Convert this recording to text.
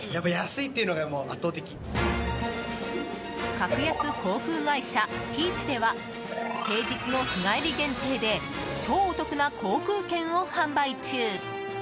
格安航空会社ピーチでは平日も日帰り限定で超お得な航空券を販売中！